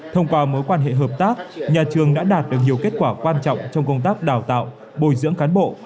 thông qua mối quan hệ hợp tác nhà trường đã đạt được nhiều kết quả quan trọng trong công tác đào tạo bồi dưỡng cán bộ